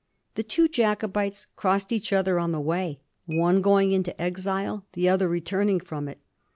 The two Jacobites crossed each other on the way, one going into exile, the other returning from it.